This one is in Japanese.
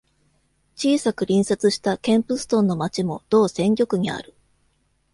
小さく隣接したケンプストンの町も同選挙区にある。